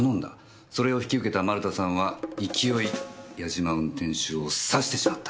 それを引き受けた丸田さんは勢い八嶋運転手を刺してしまった。